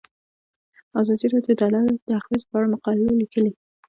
ازادي راډیو د عدالت د اغیزو په اړه مقالو لیکلي.